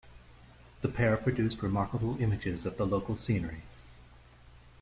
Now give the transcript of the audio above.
The pair produced remarkable images of the local scenery.